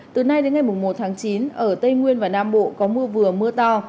từ nay đến ngày một tháng chín ở tây nguyên và nam bộ có mưa vừa mưa to